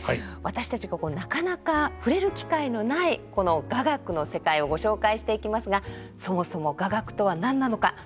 私たちがなかなか触れる機会のないこの雅楽の世界をご紹介していきますがそもそも雅楽とは何なのか？